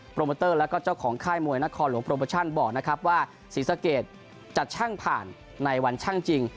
โมเตอร์แล้วก็เจ้าของค่ายมวยนครหลวงโปรโมชั่นบอกนะครับว่าศรีสะเกดจัดช่างผ่านในวันช่างจริง